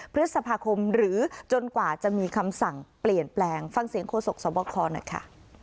พฤษภาคมหรือจนกว่าจะมีคำสั่งเปลี่ยนแปลงฟังเสียงโฆษกสวบคหน่อยค่ะ